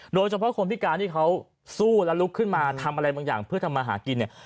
โดยเฉพาะคนพิการที่เขาสู้และลุกขึ้นมาทำอะไรบางอย่างเพื่อทำมาหากินเนี่ย